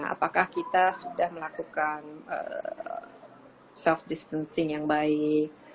apakah kita sudah melakukan self distancing yang baik